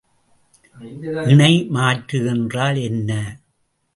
இணைமாற்று என்றால் என்ன?